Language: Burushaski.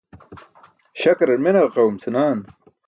Śakrar mene ġaqaẏum senaan.